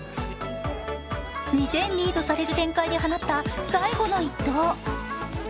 ２点リードされる展開で放った最後の１投。